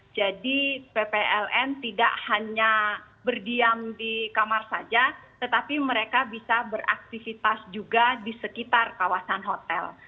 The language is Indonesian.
jadi ppln tidak hanya berdiam di kamar saja tetapi mereka bisa beraktifitas juga di sekitar kawasan hotel